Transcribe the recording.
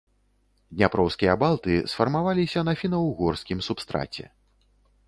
Дняпроўскія балты сфармаваліся на фіна-ўгорскім субстраце.